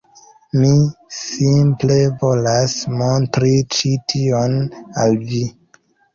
Mi simple volas montri ĉi tion al vi.